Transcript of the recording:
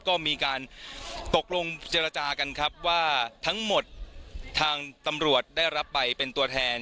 ก็มีการตกลงเจรจากันครับว่าทั้งหมดทางตำรวจได้รับใบเป็นตัวแทน